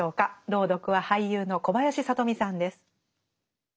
朗読は俳優の小林聡美さんです。